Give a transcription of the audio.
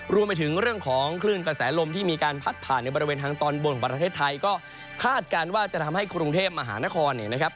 รวมไปถึงเรื่องของคลื่นกระแสลมที่มีการพัดผ่านในบริเวณทางตอนบนของประเทศไทยก็คาดการณ์ว่าจะทำให้กรุงเทพมหานครเนี่ยนะครับ